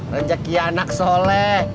rencah kianak soleh